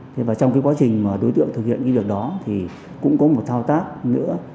trong quá trình đối tượng thực hiện việc đó cũng có một thao tác nữa